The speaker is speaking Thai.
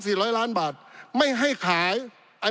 ปี๑เกณฑ์ทหารแสน๒